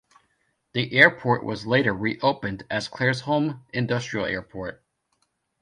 The airport was later reopened as Claresholm Industrial Airport.